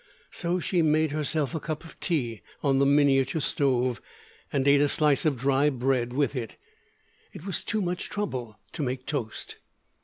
So she made herself a cup of tea on the miniature stove, and ate a slice of dry bread with it. It was too much trouble to make toast.